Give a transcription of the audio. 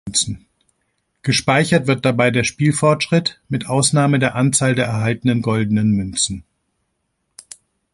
Gespeichert wird dabei der Spielfortschritt mit Ausnahme der Anzahl der erhaltenen Goldenen Münzen.